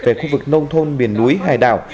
về khu vực nông thôn miền núi hải đảo